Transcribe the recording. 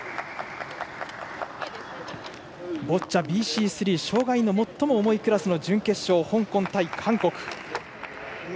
ボッチャＢＣ３障がいの最も重いクラスの準決勝香港対韓国。